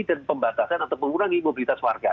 dan pembatasan untuk mengurangi mobilitas warga